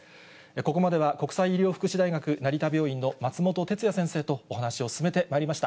ここまでは、国際医療福祉大学成田病院の松本哲哉先生とお話を進めてまいりました。